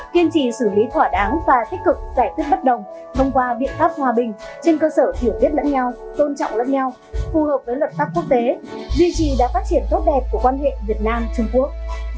kiên trì xử lý thỏa đáng và tích cực giải quyết bất đồng thông qua biện pháp hòa bình trên cơ sở hiểu biết lẫn nhau tôn trọng lẫn nhau phù hợp với luật pháp quốc tế duy trì đá phát triển tốt đẹp của quan hệ việt nam trung quốc